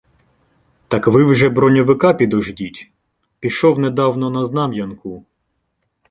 Так ви вже броньовика підождіть — пішов недавно на Знам'янку.